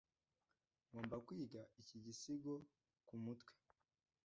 Ngomba kwiga iki gisigo kumutwe.